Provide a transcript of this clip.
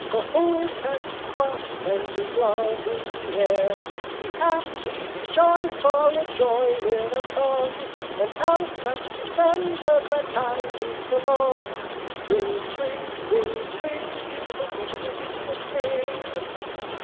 Oh, who can be cross when there's love in the air? Be happy! Be joyful! And join in our song And help us to send the glad tidings along! Spring! Spring! Spring! Spring! Beautiful, beautiful, beautiful Spring!"